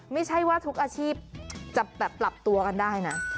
ไม่ใช่ว่าทุกอาชีพจะแบบปรับตัวกันได้นะ